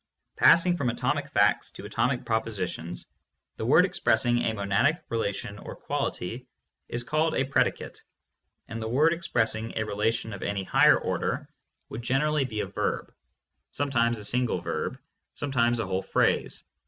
Passing from atomic facts to atomic propositions, the word expressing a monadic relation or quality is called a THE PHILOSOPHY OF LOGICAL ATOMISM. 523 "predicate," and the word expressing a relation of any higher order would generally be a verb, sometimes a single verb, sometimes a whole phrase.